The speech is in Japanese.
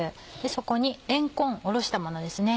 そこにれんこんおろしたものですね。